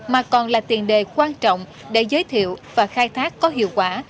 mà còn là tiền đề quan trọng để giới thiệu và khai thác có hiệu quả